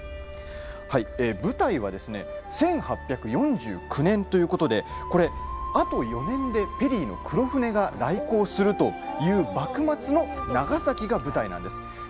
舞台は１８４９年ということであと４年でペリーの黒船が来航するという幕末の長崎が舞台なんです。